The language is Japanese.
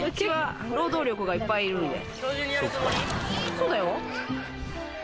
そうだよ。